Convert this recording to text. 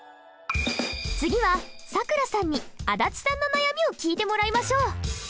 次はさくらさんに足立さんの悩みを聞いてもらいましょう。